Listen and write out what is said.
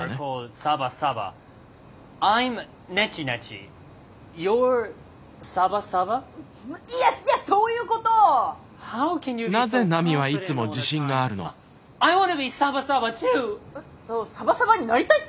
サバサバになりたいって？